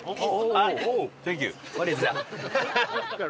あっ！